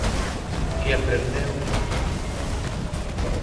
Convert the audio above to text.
Que aprendeu?